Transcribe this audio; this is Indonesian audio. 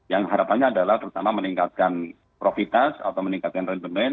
yang harapannya adalah pertama meningkatkan profitas atau meningkatkan rendemen